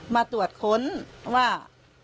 มาตรวจค้นว่า